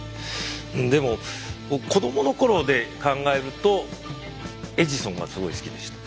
でも僕子どもの頃で考えるとエジソンがすごい好きでした。